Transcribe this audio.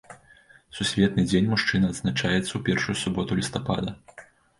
Сусветны дзень мужчына адзначаецца ў першую суботу лістапада.